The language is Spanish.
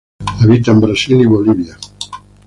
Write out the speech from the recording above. Habita en Brasil y Bolivia.